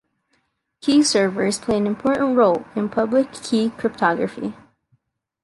Key servers play an important role in public key cryptography.